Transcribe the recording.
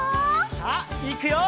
さあいくよ！